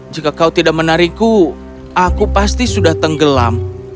jika kau tidak menarikku aku pasti sudah tenggelam